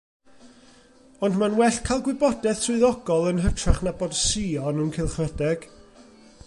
Ond mae'n well cael gwybodaeth swyddogol yn hytrach na bod sïon yn cylchredeg.